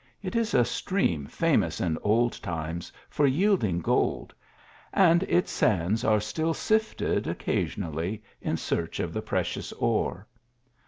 It is a stream famous in old times for yielding gold, and its sands are still sifted, occa sionally, in search of the precious ore.